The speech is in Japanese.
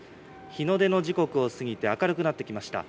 日の出の時刻を過ぎて、明るくなってきました。